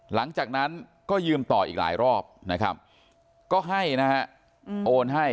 หลังจากนั้นก็ยืมต่ออีกหลายรอบนะครับก็ให้นะฮะโอนให้